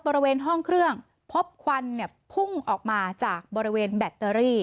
บริเวณห้องเครื่องพบควันเนี่ยพุ่งออกมาจากบริเวณแบตเตอรี่